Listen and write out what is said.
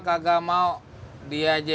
gua kagak mau dia je